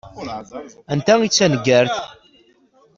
Anta i d taneggart?